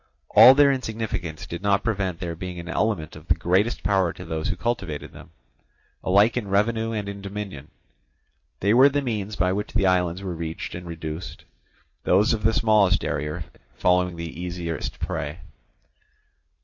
All their insignificance did not prevent their being an element of the greatest power to those who cultivated them, alike in revenue and in dominion. They were the means by which the islands were reached and reduced, those of the smallest area falling the easiest prey.